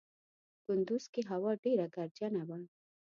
کندوز کې هوا ډېره ګردجنه وه.